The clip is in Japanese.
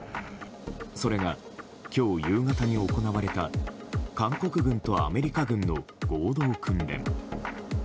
それが今日夕方に行われた韓国軍とアメリカ軍の合同訓練。